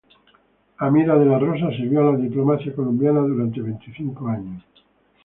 Amira de la Rosa sirvió a la diplomacia colombiana durante veinticinco años.